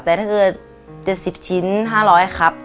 แต่ถ้าเกิด๗๐ชิ้น๕๐๐ครับ